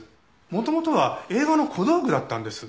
元々は映画の小道具だったんです。